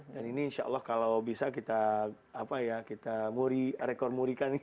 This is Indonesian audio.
dan ini insya allah kalau bisa kita apa ya kita muri rekor murikan gitu